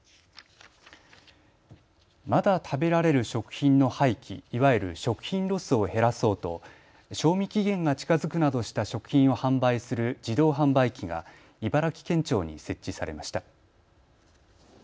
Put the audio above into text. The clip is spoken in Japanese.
まだ食べられる食品の廃棄、いわゆる食品ロスを減らそうと賞味期限が近づくなどした食品を販売する自動販売機が茨城県庁に設置されました。